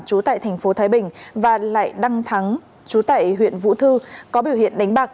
trú tại thành phố thái bình và lại đăng thắng chú tại huyện vũ thư có biểu hiện đánh bạc